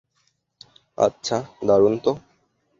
আচ্ছা, দারুণ তো!